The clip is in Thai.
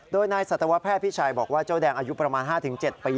โดยนายสัตวแพทย์พิชัยบอกว่าเจ้าแดงอายุประมาณ๕๗ปี